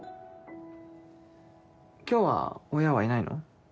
今日は親はいないの？